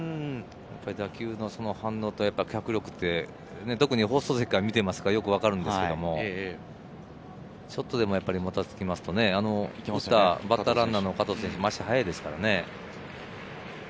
打球の反応と脚力、特に放送席から見ていますから分かりますが、ちょっとでもモタつきますと打ったバッターランナーの加藤選手、速いですからね。